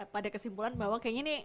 pada kesimpulan bahwa kayaknya nih